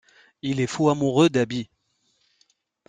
Il est fou amoureux d'Abby.